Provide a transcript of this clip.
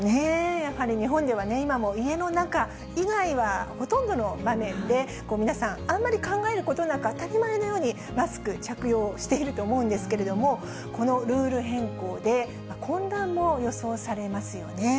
やはり日本では、今も家の中以外は、ほとんどの場面で皆さん、あんまり考えることなく、当たり前のようにマスク着用していると思うんですけれども、このルール変更で、混乱も予想されますよね。